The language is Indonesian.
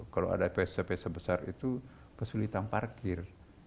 kalau ada pesta pesta besar itu kesulitan parkir